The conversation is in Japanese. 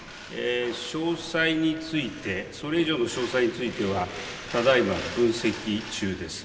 詳細について、それ以上の詳細については、ただいま分析中です。